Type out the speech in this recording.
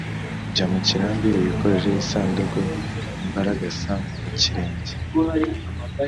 jya mu kirambi wikorere isanduku-imbaragasa mu kirenge.